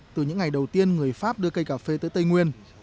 từ những ngày đầu tiên người pháp đưa cây cà phê tới tây nguyên